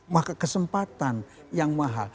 maka kesempatan yang mahal